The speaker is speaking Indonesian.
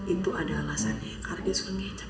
itu ada alasannya karena dia suka kecap